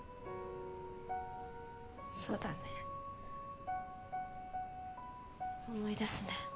そうだね。